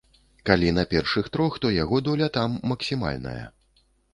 Калі на першых трох, то яго доля там максімальная.